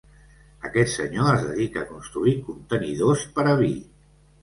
Aquest senyor es dedica a construir contenidors per a vi.